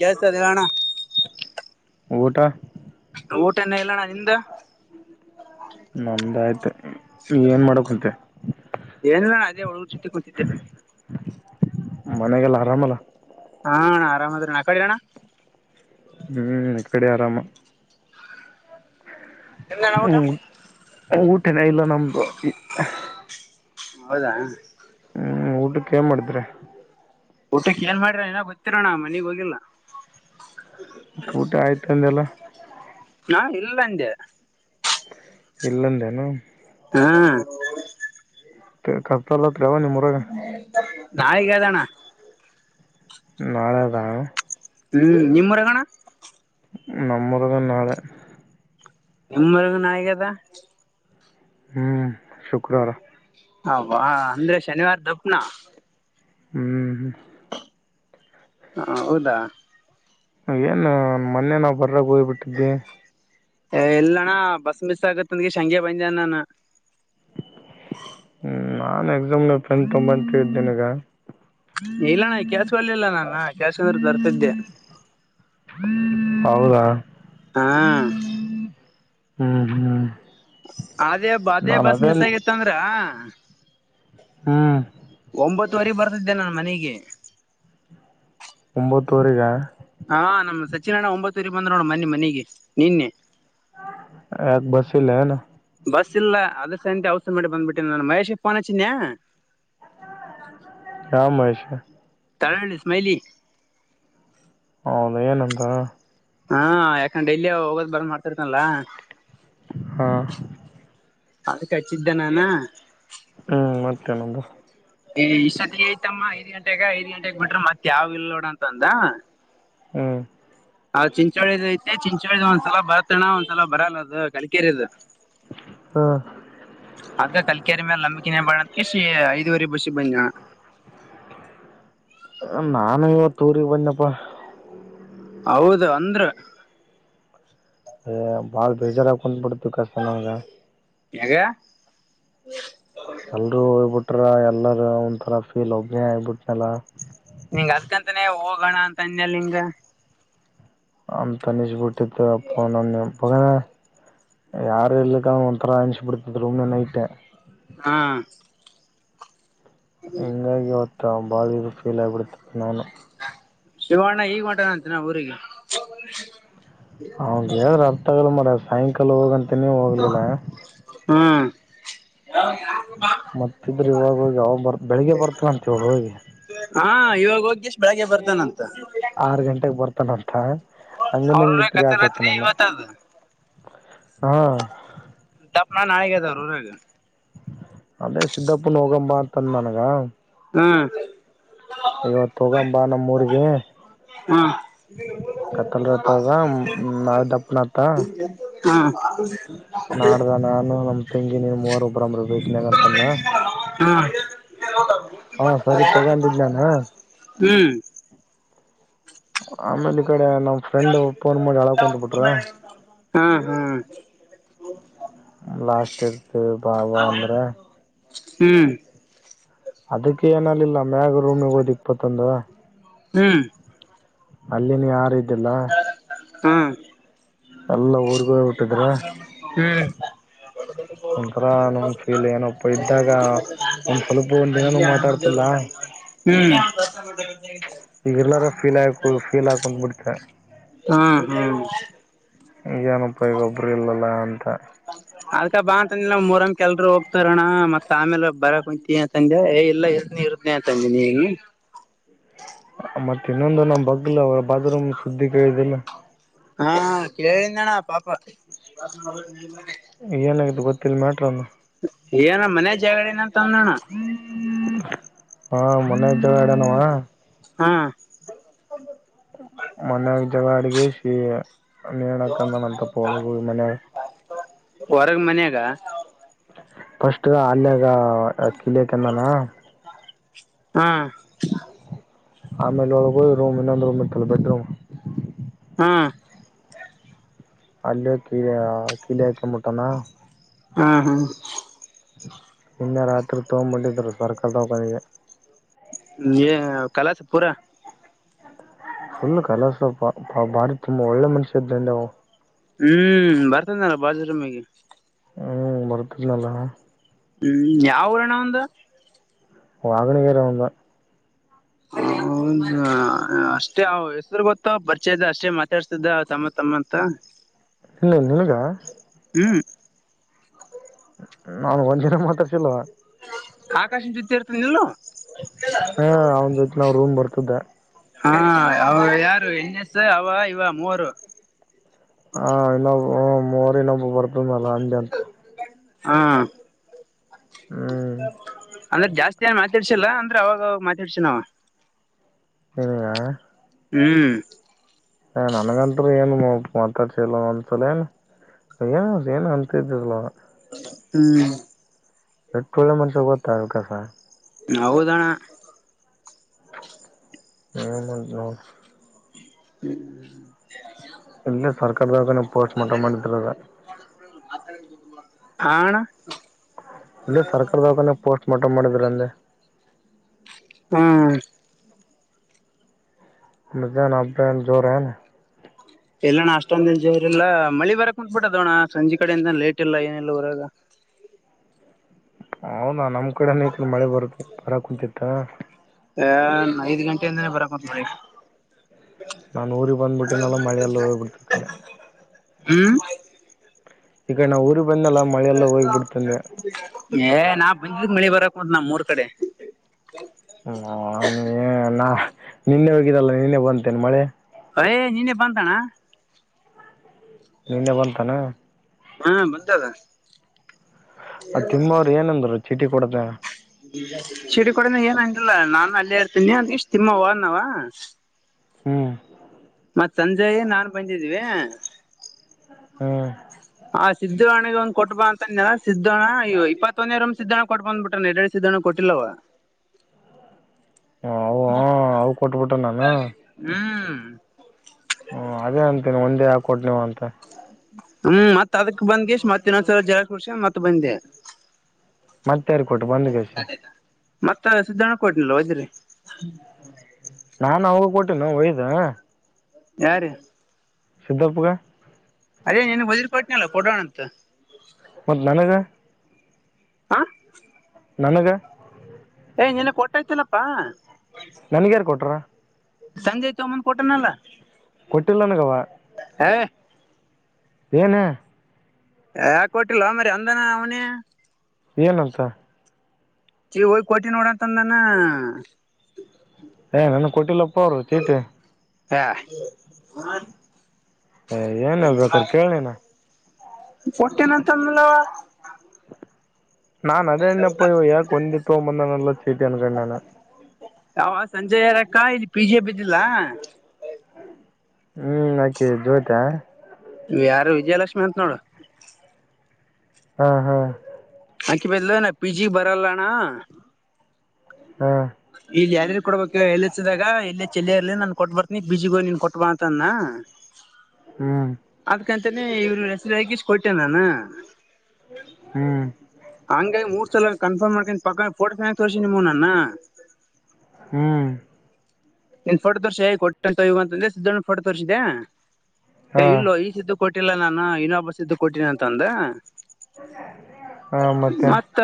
ಕೇಳಿಸತ್ತದೆ ಹೇಳ ಅಣ್ಣ. ಊಟ ಊಟ ಇನ್ನ ಇಲ್ಲಣ್ಣ ನಿಂದ. ನಂದ್ ಅಯ್ತು ಏನ್ ಮಾಡಕ್ ಕುಂತೆ. ಏನು ಇಲ್ಲ ಅದೆ ಹುಡುಗರು ಜೊತೆ ಕೂತಿದ್ದೆ. ಮನೆಗೆಲ್ಲ ಆರಾಮಲ್ಲ. [unintelligible] ಆರಾಮ್ ಅದಾರಣ್ಣ ಆ ಕಡೆ ಅಣ್ಣ. ಹ್ಮ್ ಇಕಡೆ ಆರಾಮ. [unintelligible] ಊಟ ಊಟ ಇನ್ನ ಇಲ್ಲ ನಮ್ದು. ಹೌದಾ ಹ್ಮ್ ಊಟಕ್ಕೆ [unintelligible] ಮಾಡಿದ್ರೆ. ಊಟಕ್ ಏನ್ ಮಾಡ್ರ [unintelligible] ಬತ್ತಿರಣ್ಣ ಮನಗ್ ಹೋಗಿಲ್ಲ. ಊಟ ಆಯ್ತ್ ಅಂದಲ್ಲ. ನಾನ್ ಇಲ್ಲಂದೆ. ಇಲ್ಲಂದೇನು. ಹಾ [unintelligible] ನಾಳಿಗದಣ್ಣ. ನಾಳೆನಾ ಹ್ಮ್ ನಿಮ್ [unintelligible] ನಮ್ [unintelligible] ನಾಳೆ. [unintelligible] ನಾಳಿಗ್ ಅದ. ಹ್ಮ್ ಶುಕ್ರವಾರ ಹವಾ ಅಂದ್ರೆ ಶನಿವಾರ ದಪ್ಪನ ಹ್ಮ್ ಹ್ಮ ಹಾ ಹೌದಾ ಏನ್ ಮೊನ್ನೆ ನಾವು ಬರ್ರಾಗ ಹೋಗ್ಬಿಟ್ಟಿದ್ದಿ ಎಲ್ಲಣ ಬಸ್ ಮಿಸ್ ಆಗತ್ತ ಅಂದಗೆಶ್ ಹಂಗೆ ಬಂದೆ ನಾನು ಹ್ಮ್ ನಾನ್ ಎಕ್ಸಾಮ್ನ ಗ ಪೆನ್ನ್ ತೊಂಬಂತಿದ್ದೇನಿಗ ಇಲ್ಲ ನಾನು ಕೇಳಿಸ್ಕೋಲಿಲ್ಲ ನಾನು ಕೇಳಿಸಿದ್ರಾ ತರ್ತಿದ್ದೆ ಹೌದಾ ಹಾ ಹ್ಮ್ ಹ್ಮ್ ಅದೇ ಅದೇ ಬಸ್ ಮಿಸ್ ಆಗಿತ್ತ ಅಂದ್ರ ಹ್ಮ್ ಹತ್ತುವರಿ ಬರ್ತಿದ್ದೆ ನಾನು ಮನೆಗಿ ಒಂಬತ್ತೂವರಿಗ್ಯಾ ಹಾ ನಮ ಸಚಿನಣ್ಣ ಒಂಬತ್ತುೂರಿ ಬಂದ್ ನೋಡು ಮನ್ನಿ ಮನೆಗೆ ನಿನ್ನೆ ಎ ಬಸಲ್ಲೇನು ಬಸ್ ಇಲ್ಲ ಅದರಸಲಂದೆ ಹಾಸ ರ್ ಮಾಡಿ ಬಂದ್ಬಿಟ್ಟೇನ ನಾನು ಮಹೇಶ್ ಗ ಫೋನ್ ಹಚ್ಚಿದೆನ್ಯ ಯಾವ ಮಹೇಶ ತಳಳ್ಳ ಸ್ಮೈಲಿ ಹೌದ ಏನಂತ ಹಾ ಯಾಕಂದ ಡೆಲ್ಲಿ ಹೋಗೋದ್ ಬರ್ದ್ ಮಾಡ್ತಿರ್ತಲ್ಲ ಹಾ ಅದಕ ಕಚ್ಚಿದ್ದೆನಾನ ಹ್ಮ್ ಮತ್ತೇನಂದ ಏ ಇಷ್ಟತಿ ಐತಮ್ಮ ಐದ ಗಂಟೆಗ ಐದ್ ಗಂಟೆೆಗೆ ಬಿಟ್ರ ಮತ್ತತ್ ಯಾವ್ ಇಲ್ ನೋಡ ಅಂತ ಅಂದ ಹ್ಮ್ ಹ ಚಿಂಚೋಳಿದ ಐತೆ ಚಿಂಚೋಳಿದ ಒಂದ್ಸಲ ಬರತಣ್ಣ ಒಂದ್ಸಲ ಬರಲ್ಲ ಅದು ಕಲಕೇರಿದ ಹಾಂ ಅದ ಕಲ್ಕೇರಿ ಮೇಲೆ ನಮ್ಮ ಬಳದಕ ಐದುವರೆ ಬಸಿ ಗಿ ಬಂದ ನಿ ಅಣ ನಾನು ಇವತೂರಿ ಗಿ ಬಂದಪ್ಪ ಹೌದು ಅಂದ್ರ ಬಾಳ್ ಬೇಜಾರಾಗ ಕುಂತ ಬಿಡತು ಕಷ್ಟ ನಮಗ್ ಹೆಂಗಾ ಎಲ್ರುೂ ಹೋಗ್ಬಿಟ್ರ ಎಲ್ಲರ ಒಂದಥರ ಫೀಲ್ ಒಬ್ನೇ ಆಗಬಿಟ್ನಲ್ಲ ನಿಂಗ ಅದ್ಕಂತಾನೇ ಹೋಗೋಣ ಅಂತ ಅನ್ಯಲ್ಂಗ ಅಂತ ಆನಿಷಬುಟ್ಟಿತ ಪ ನನ ಯಾರು ಇಲ್ಲಕ್ಕ ಒಂತರಅನುಷ್ ಬಿಡ್ತು ರೂಮಿನೆಗೆ ನೈಟೆ ಹಾ ಹೀಂಗಾಗಿ ಅವವತ್ತು ಬಾಡಿ ಫೀಲ್ ಆಗಿಬಿಡತಪ್ಪ ನಾನನು ಶಿವಣ್ಣ ಈಗ್ ಹೊಂಟಿನಂತ ಈನಾ ಊರಿಗೆ ಅವಗ್ ಹೇಳ್ರ ಅರ್ಥಗಲ್ಲ ಮರ ಸಾಯಂಕಾಲ ಹೋಗಂತ ನೀ ಹೋಗ್ಲಿಲ್ಲ ಹ್ಮಞ ಮತ್ತ ಇದ್ರೆ ಇವಾಗ ಹೋಗಿ ಅವಾಗ ಬರ್ ಬೆಳಿಗ್ಗೆ ಬರ್ತನಂತವರು ಹೋಗಿ ಬೇಗಗೆ ಬರ್ತೆ ನಾನಂತ ಆರ್ ಗಂಟೆಗೆ ಬರ್ತಾನಂತ ಅವ್ರ್ರ ಹಂಗನಂಗಿತ್ರಿ ಕತ್ತ ಯಾಕೋತ ರಾತ್ರಿ ನಾನು ಇವತ್ತದು ಹಾ ದಪ್ಪನನ್ ಆಾಯಗದರ ಅದೇ ಸಿದ್ದಪ್ಪನ ಹೋಗಂಬ ಅಂತಂದ ನನಗ ಹ್ಮ ಇವತ್ತು ಹೋಗಂಬಾ ನಮ್ಮೂರಿಗೆ ಹ್ಮ್ ಕತ್ತಲ್ರತ್ತದ ನಾಳೆ ದಪ್ಪನತ್ತ. [unintelligible] ಹಾ [unintelligible] ನಾಡಾದ ನಾನು ನಮ್ಮ ತೆಂಗಿನು ಮೂವರು ಒಬ್ರಂಬ್ರ ಬೀಚ್ ನ್ಯಾಗ ಅಂತ ಅಂದಾ? [unintelligible] [inaudible] ಸರಿ ತಗೊಂಡಿದ್ ನಾನ ಏ [unintelligible] [inaudible] [unintelligible] ಆಮೇಲೆ ಈ ಕಡೆ ನಮ್ ಫ್ರೆಂಡ್ ಫೋನ್ ಮಾಡಿ ಅಳಕ್ ಕುಂತ್ ಬಿಟ್ರ ಹಾ ಹ [unintelligible] ಲಾಸ್ಟ್ ಇರ್ತಿ ಬಾಬವಾ ಅಂದ್ರ [unintelligible] ಹೂ [unintelligible] ಅದಕ್ಕೆ ಏನ ಅಂದಿಲ್ಲ ನಾನ ಮ್ಯಾಗ ರೂಮಗ್ ಹೋದ್ ಇಪ್ಪತ್ತೊಂದ [unintelligible] ಹು [unintelligible] ಅಲ್ಲಿನೂ ಯಾರು ಇದ್ದಿಲ್ಲ? [unintelligible] ಹೂ [unintelligible] ನಎಲ್ಲಾ ಹೋರಿ [unintelligible] [inaudible] ಹೂ [unintelligible] ಒಂಥರ ನನ್ನ ಫೀಲ್ ಏನಪ್ಪ ಇದ್ದಾಗ? [unintelligible] ಒಂದ್ ಸ್ವಲ್ಪ ಒಂದ ಏನು ಮಾತಾಡ್ತಿಲ್ಲ? [unintelligible] ಹೂ [inaudible] ಈಗ ಇರ್ಲಾರ ಫೀಲ್ ಆಯಕು ಫೀಲ್ ಹಾಕೊಂಡ್ ಬಿಡ್ತೆ ಹ [unintelligible] ಹ [unintelligible] ಏನಪಾ ಈಗ ಗೊಬ್ಬರು ಇಲ್ಲಲ್ಲ ಅಂತ? [unintelligible] ಅದಕ್ಕ ಬಾ ಅಂತಂದೇ ನಮ್ಮ ಊರಂಕ ಎಲ್ಲರೂ ಹೋಗತಾರಾ ಅಣ್ಣ ಮತ್ತ ಆಮೇಲೆ ಬೇರೆ ಕುಂತಿ ಅಂದೆ ಏ ಇಲ್ಲ ಇರತನೀ [unintelligible] ಪುಣ್ಯ ತಂದಿದೀನಿ. [unintelligible] ಮತ್ತೆ ಇನ್ನೊಂದು ನಮ್ಮ ಬಗ್ಲ ಅವ ಬಾತ್ರೂಮ್ ದ ಸುದ್ದಿ ಕೇಳಿದಿಲ್ಲ. [unintelligible] ಹಾ ಕೇಳಿಂದಣ್ಣ ಪಾಪ? [unintelligible] ಏನ ಆಗೇತ್ತಿ ಗೊತ್ತಿಲ್ಲ ಮ್ಯಾಟರ್ ಅದ? [unintelligible] ಏ ನಾನ್ ಮನ್ಯಾಗ ಜಗಳ ಅಡೆನ ಅಂದ [unintelligible] ಹಾ ಮನ್ಯಾಗ ಜಗಳ ಆಡ್ಯಾನ ಅವಾ? [unintelligible] ಹಾ [unintelligible] ಮನ್ಯಾಗ ಜಗಳ ಅಡಿಗಿಸಿ [unintelligible] ನೇಳ ಹಾಕ್ಕೊಂಡನ್ನ ಅಂತಪ್ಪಾ ಅನುಗಳ ಮನ್ಯಾಗ? ಹೊರಗ್ [unintelligible] ಮನ್ಯಾಗ ಫಸ್ಟ್ ಅಲ್ಲೇದಾ ಆ ಕಿಲೀ ಹಕೊಂಡನಾ? [unintelligible] ಹಾ [unintelligible] ಆಮೇಲೆ ಒಳಗ ಒಂದ್ ರೂಮ್ ಇನ್ನೊಂದ ರೂಮ್ ಇತಲ್ಲ ಬೆಡ್ರೂಮ್ [unintelligible] ಹು [unintelligible] ಅಲ್ಲೇ ಕೀಯಾ ಕೀಲಿ ಹಾಕೊಂಬಿಟ್ಟಾನ [unintelligible] ಹಾ ಹ [unintelligible] ನಿನ್ನೆ ರಾತ್ರಿ ತೊಗೋಬಂದಿದ್ರು ಸರ್ಕಾರ ದವಾಖಾನೆಗೆ. [unintelligible] ನೇಹ ಕಲಸಪೂರ? [unintelligible] ಫುಲ್ ಕಲಸ ಪಾಪ್ ಬಾರಿ ತುಂಬಾ ಒಳ್ಳೆ ಮನುಷ್ಯ ಇದ್ದೆ ಅಂದೆ ಅವ [unintelligible] ಹೂ ಬರ್ತನಲ್ಲ ಬಾತ್ರೂಮ್ ಗೇ [unintelligible] ಹೂ ಬರ್ತದ್ನಲ್ಲ? [unintelligible] ಹೂ ಯಾವ ಊರ ಅಣ್ಣ ಅವಂದ? [unintelligible] ವಾಗನಗೇರಿ ಅವಂದ. [unintelligible] ಹೌದಾ? [unintelligible] ಹ ಅಷ್ಟೇ ಅವ್ ಹೆಸರು ಗೊತ್ತ್ ಪರಿಚಯ ಇದ ಅಷ್ಟೇ ಮಾತಾಡ್ಸ್ತಿದ್ದ ತಮ್ಮ ತಮ್ಮ ಅಂತ? [unintelligible] ಇಲ್ಲ ನಿನಗಾ? [unintelligible] ಹೂ [unintelligible] ನಾನು ಒನ್ ಚಿಟಕ ಮಾತಾಡ್ಸಲ್ವಾ? [unintelligible] ಆಕಾಶ ಜೊತೆ ಇರ್ತನಿ ನಿಲ್ಲು. [unintelligible] ಹಾ ಅವನ ಜೊತೆ ನಾವ ರೂಮ್ ಬರ್ತಿದ್ದೆ. [unintelligible] ಹಾ ಅವ ಯಾರು ಎಣಸ್ ಅವ ಇವ ಮೂವರು. [unintelligible] ಹಾ ಇನ್ನೊಬ್ ಹ ಮೋರಿ ಇನ್ನೊಬ್ ಬರ್ತನಲ್ಲ ಅಲ್ಲಂತ ಹಾ ಹ್ಮ್ ಅಂದ್ರೆ ಜಾಸ್ತಿಯನ್ ಮಾತಾಡ್ಸಿಲ್ಲ ಅಂದ್ರೆ ಅವಾಗ ಮಾತಾಡ್ಸೀನವ ಹೂಂ ಆ ಹ್ಮ್ ಹ ನನ್ಗಂತ್ರೂ ಏನ್ ಕಾಂಟ್ಯಾಕ್ಟ್ಸ್ ಇಲ್ಲ ಒಂದ್ಸಲೆ ಏನದ್ ಏನ ಅಂತಿದ್ರಲ್ಲ ಹ್ಮ್ ಎಟ್ಟೊಳ್ಳೆ ಮನ್ಷ ಗೊತ್ತಾ ವಿಕಾಸ ಹೌದಣ್ಣ ಹ್ಮ ಮಂಜ್ನೋಡ ಹ್ಮ್ ಇಲ್ಲೇ ಸರ್ಕಲ್ದಾಗ [unintelligible] ಆ ಅಣಾ ಇಲ್ಲೇ ಸರ್ಕಲ್ದಾಗನ ಪೋಸ್ಟ್ ಮಾರ್ಟಮ್ ಮಾಡಿದ್ರ ಅಂದೆ ಹ್ಮ ಮದ್ಯಾಹ್ನ ಹಬ್ಬ ಏನ್ ಜೋರೇನ್ ಇಲ್ಲಣ್ಣ ಅಷ್ಟೊಂದೇನ್ ಜೋರಿಲ್ಲ ಮಳಿ ಬರಾಕುಂದ್ಬಿಟ್ಟದೋಣ್ಣ ಸಂಜೆ ಕಡೆಯಿಂದ ಲೇಟ್ ಇಲ್ಲ ಏನಿಲ್ಲ ಊರಾಗ [inaudible] ಹೌದಾ ನಮ್ ಕಡೆನೂ ಈ ಕಡೆ ಮಳಿ ಬರುತ್ತೆ ಬರಾಕುಂತಿತ್ತಾ ಏನ್ ಐದ್ ಗಂಟೆಯಿಂದನ ಬರಾಕುಂತತಿ ನಾನು ಊರಿಗೆ ಮಳಿ ಬಂದ್ಬಿಟ್ಟಿನಲ್ಲ ಮಳೆ ಎಲ್ಲ ಹೋಗ್ಬಿಡ್ತು ಈ ಕಡೆ [unintelligible] ಉಮ್ ಈ ಕಡೆ ನಾ ಊರಿಗೆ ಬಂದ್ನಲ್ಲ ಮಳೆ ಎಲ್ಲ ಹೋಗ್ಬಿಡ್ತಂದೆ ಏ ನಾ ಬಂದಿದ್ಕ್ ಮಳಿ ಬರಾ ನಮ್ಮೂರ್ ಕಡೆ ಹೂಂ ಏ ನಾ ನಿನ್ನೆ ಹೋಗಿದಲ್ಲ ನಿನ್ನೆ ಬಂತೇನಾ ಮಳಿ ಏಯ್ ನಿನ್ನೆ ಬಂತಣ್ಣ ನಿನ್ನೆ ಬಂತನ ಹಾ ಬಂತದ ಆ ತಿಮ್ಮವ್ರು ಏನಂದ್ರು ಚೀಟಿ ಕೊಡತ್ನ್ಯಾಗ ಸಿಡಿ ಕೊಡಾನ ಏನಂದಿಲ್ಲ ನಾನು ಅಲ್ಲೇ ಇರ್ತೀನಿ ಅಂದ ಕ್ಯಾಶ್ ತಿಮ್ಮ ಹೋದ್ನವ ಹ್ಮ್ ಮತ್ ಸಂಜಯ ನಾನ್ ಬಂದಿದ್ವಿ ಹ್ಮ್ ಹಾ ಸಿದ್ದೂಣಗ ಒಂದ್ ಕೊಟ್ಬಾ ಅಂತಂದ್ನಲ್ಲ ಸಿದ್ದ ಇಪ್ಪತ್ತೊಂದನೇ ರೂಂ ಸಿದ್ದಣ್ಣಗ್ ಕೊಟ್ ಬಂದ್ಬಿಟ್ಟಾನ ಎದ್ದೇಳ್ಸಿ ದ್ದಣ್ಣಗ್ ಕೊಟ್ಟಿಲ್ಲವ ಅವು ಅವು ಕೊಟ್ಬಿಟ್ಟು ನಾನು ಹ್ಮ್ ಹ್ಮ ಅದೇ ಅಂತೇನೆ ಒಂದೇ ಯಾಕ ಕೊಟ್ನವ ಅಂತ ಹ್ಮ್ ಮತ್ ಅದಕ್ ಬಂದ್ ಕ್ಯಾಶ್ ಮತ್ತ ಇನ್ನೊಂದ್ಸಲ ಜರ ಕುಡ್ಸ್ಯಂಡ್ ಮತ್ ಬಂದೆ ಮತ್ತ್ ಯಾರಿಗ್ ಕೊಟ್ಟು ಬಂದು ಕ್ಯಾಷಿ ಮತ್ತ ಸಿದ್ದಣಕೋಟ್ನಲ್ ಒದ್ರಿ ನಾನು ಅವಂಗ ಕೊಟ್ಟೀನೋ ಒಯ್ದ ಯಾರಿಗೆ ಸಿದ್ದಪ್ಪಗ ಅದೇ ನಿನಗ್ವದ್ರೀ ಕೊಟ್ಟ್ನಲ್ಲ ಕೊಡು ಅಂತ ಮತ್ ನನಗ ಆ ನನಗ ಏ ನಿನಗ ಕೊಟ್ಟೈ್ತಲಪ್ಪಾ ನನ್ಗ ಯಾರ್ ಕೊಟ್ರಾ ಸಂಜಯ್ ತೋಮ್ಮಂದ್ ಕೊಟ್ಟನಲ್ಲ ಕೊಟ್ಟಲ್ಲಾನ ಅವ ಹೇ ಏನ ಯಾಕೆ ಕೊಟ್ಟಿಲ್ವಾ ಮರಿ ಅಂದಾನ ಅವನೆ ಏನಂತ ಚಿ ಹೋಗ್ ಕೋಟಿ ನೋಡಂತಂದಾನ ಏ ನನ್ಗೆ ಕೊಟ್ಟಿಲ್ಲಪ್ಪ ಅವರು ಚೀಟಿ ಹೇ [unintelligible] ಹೇ ಏನ ಕೇಳು ಬೇಕರ್ ಕೇಳನೇನಾ ಕೋಟೆನೆ ಅಂತ ಅಂದನ ಅಲ್ವಾ ನಾನು ಅದೇ್ಣ ಪಯಾ ಕೊಂದಿ ತೋಂಬಂದ ನಲ್ಲಾ ಚೀಟಿ ಅನಕ ನಾನು ಅವ ಸಂಜೆ ರೊಕ್ಕ ಇಲ್ಲಿ ಪಿ ಜಿ ಬಿದ್ದಿಲ್ಲ ಹ್ಮ್ ಹಾಕಿ ಜೋತಾ ಯಾರು ವಿಜಯಲಕ್ಷ್ಮಿ ಅಂತ ನೋಡು ಹಾ ಹಾ ಆಹಾಕಿ ಬದಲೂ ನಾ ಪಿ ಜಿ ಬರಲ್ಲ ಅಣ್ಣ ಹಾ ಇಲ್ಲಿ ಯಲ್ರಿ ಕೊಡ್ಬೇಕ ಎಲ್ಸಿದಾಗ ಎಲ್ಲ ಚಲರ್ಲಿ ನಾನನ್ ಕೊಟ್ ಬರ್ತನಿ ಬಿಜಿಗೋ ನೀನ್ ಕೊಟ್ಬ ಅಂತನ್ನ ಹ್ಮ್ ಯಕಂತನೇ ಇವ್ರು ಹೆಸರಾಗಿ ಕೊಟ್ಟೇ ನಾನು ಹ್ಮ್ ಹಂಗ ಮೂರ್ ಸಲ ಕನ್ಫರ್ಮ್ ಮಾಡ್ಕೊಂಡ್ ಪಕ್ಕ ಫೋಟೋ ತೋರ್ಸಿ ನಿಮ ನನ್ನ ಹ್ಮ್ ನಿನ್ ಫೋಟೋ ತೋರ್ಸಿ ಕೊಟ್ಟು ಅಂತುವ ಅಂತಂದೆ ಸಿದ್ದ ಫೋಟೋ ತೋರಿಸಿದೆ ಹಾಂ ಇಲ್ಲೋ ಈ ಸಿ [unintelligible] ಕೊಟ್ಟಿಲ್ಲ ನಾನು ಇನ್ನೊ ಹಬ್ಬಸ್ ಇದ್ದು ಕೊಟ್ಟಿನಿ ಅಂತ ಅಂದ ಹಾಂ ಮತ್ತೆ [unintelligible] ಮತ್ತ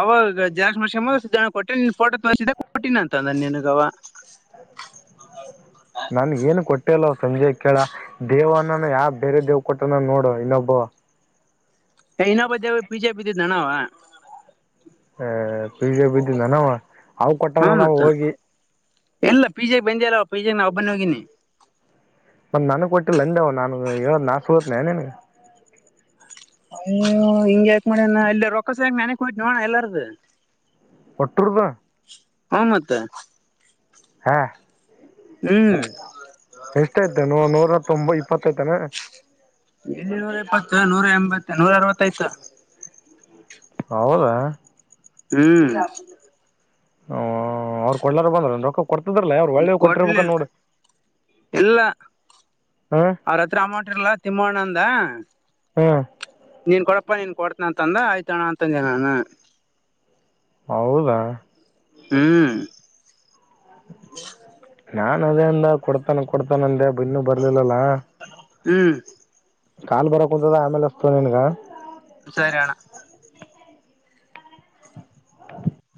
ಅವಾಗ ಜಾ ಮ ಜ ಕೊಟ್ಟನ್ ಫೋ ತೋಿದ ಕೊಟ್ಟೀಿನಿ ಅಂತಂದ ನಿನ್ಗ ಅವ ನನ್ಗೂ ಏನು ಕೊಟ್ಟೆ ಅಲ್ಲ ಅವೂ ಸಂಜೆಕೆ ಕೇಳ ದೇವನಾನ ಯಾವ ಬೇರೆ ದೇವ್ ಕೊಟ್ಟನ ನೋಡು ಇನ್ನೊಬ್ಬ ಇನ್ನೊಬ್ ಬದ ಪಿಜೆ ಬಿದ್ದಿದ್ದ ನಣಾವ ಹೇ ಪಿಜೆ ಬಿದ್ದಿಂದನ ಅವ ಕೊಟ್ಟಾನ ನಾವ ಹೋಗಿ ಎಲ್ಲ ಪಿಜಾಗ ಬಂದಿ ಅಲ್ಲವಾ ಪಿಜ್ಜಾಗ ನಾ ಒಬ್ಬನ್ನ ಹೋಗಿನಿ ಮಾತೆ ನನಗ್ ಕೊಟ್ಟಿಲ್ಲಂದೆವು ನನ್ ನಾ ಸಗತ್ನ ನನ್ಗೆ ಆಯೋ ಹಿಂಗ ಯಾಕ ಮಾಡಣ ಇಲ್ಲ ರೊಕ್ಕಸ ಯಾಕ ನೆನಕ್ ಹಟ್ಟು ನೋಣ ಎಲ್ಲಾರ್ದು ಕೊಡುತ್ತಾ ಹಾ ಮತ್ತೆ ಹಾ ಹೇ ಎಷ್ಟಐತ ನ ನೂರ ತೊಂಬ ಇಪ್ಪತ್ತೈತಾನ ಎ ನೂರ ಎಪ್ಪತ್ತು ನೂರ ಎಂಬತ್ತು ನೂರ ಅರವತ್ತೈದು ಸಾವಿರ ಹೌದಾ ಹ್ಮ್ ಹ ಅವ್ರು ಕೊಳ್ಳಾರ ಬಂದ್ರ ರೊಕ್ಕ ಕೊಡ್ತದ್ರಲ್ಲೇ ಅವ್ರು ಒಳ್ಳೇ ಕೊಟ್ಟಿರ್ಬೇಕ ಕೊಡ್ಲಿಲ್ಲ ನೋಡ ಇಲ್ಲ ಅವ್ರತ್ರ ಆಮಾಟರ್ಲ ತಿಮ್ಮೋಣ್ಣ ಅಂದ ಹ್ಮ್ ನೀನ್ ಕೊಡಪ್ಪ ನೀನ್ ಕೊಡ್ತನ ಅಂತಂದ ಆಯ್ತಣ್ಣ ಅಂತಂದೆ ನಾನು ಹೌದಾ ಹ್ಮ್ ನಾನ್ ಅದೇ ಅಂದ ಕೊಡ್ತಾನ ಕೊಡ್ತಾನ ಅಂದೆ ಬಿನ್ನು ಬರ್ಲಿಲ್ಲಲ್ಲ ಹ್ಮ್ ಕಾಲ್ ಬರಕ ಕುಂಂತದ ಆಮೇಲೆ ಅಸ್ತ ನಿನ್ಗ ಸರಿ ಅಣ್ಣ